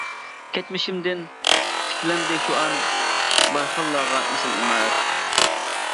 كەچمىشىمدىن تىكلەندى شۇ ئان، بارخانلارغا ئېسىل ئىمارەت.